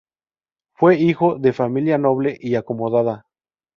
Fue hijo de familia noble y acomodada.